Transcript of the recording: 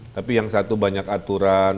tapi yang satu banyak aturan